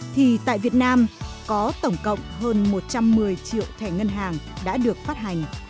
thì tại việt nam có tổng cộng hơn một trăm một mươi triệu thẻ ngân hàng đã được phát hành